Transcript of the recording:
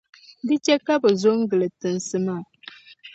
Di chɛ ka bɛ zo n-gili tiŋsi maa.